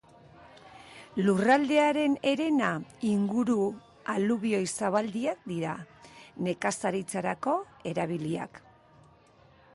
Lurraldearen herena inguru alubioi-zabaldiak dira, nekazaritzarako erabiliak.